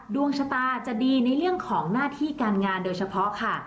ดวงชะตาจะดีในเรื่องของหน้าที่การงานโดยเฉพาะค่ะ